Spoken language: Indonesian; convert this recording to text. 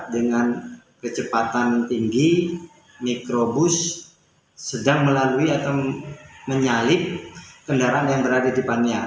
dengan kecepatan tinggi mikrobus sedang melalui atau menyalip kendaraan yang berada di depannya